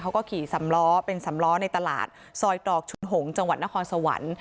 เขาก็ขี่สำล้อเป็นสำล้อในตลาดซอยตรอกชุนหงษ์จังหวัดนครสวรรค์